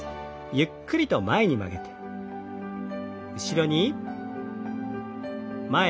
ゆっくりと前に曲げて後ろに。